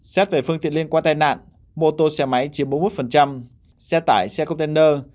xét về phương tiện liên quan tai nạn mô tô xe máy chiếm bốn mươi một xe tải xe container